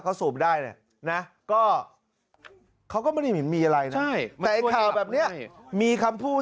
เขาสูบได้นะก็เขาก็ไม่มีอะไรใช่แต่ข่าวแบบนี้มีคำพูด